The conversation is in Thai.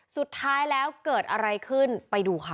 สุดท้ายแล้วเกิดอะไรขึ้นไปดูค่ะ